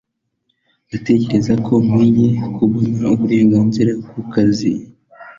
Ndatekereza ko nkwiye kubona uburenganzira ku kazi